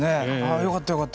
よかった、よかった。